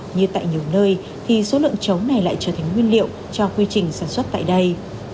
như tại nhiều nơi thì số lượng chấu này lại trở thành nguyên liệu cho quy trình sản xuất tại đây